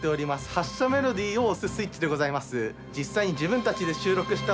発車メロディーを押すスイッチでございます。